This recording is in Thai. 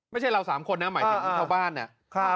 ไม่ใช่เราสามคนนะหมายถึงท่าบ้านอะ